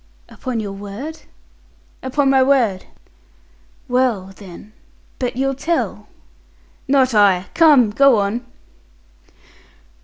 "Upon your word?" "Upon my word." "Well, then but you'll tell?" "Not I. Come, go on."